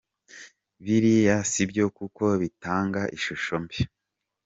Biriya sibyo kuko bitanga ishusho mbi”.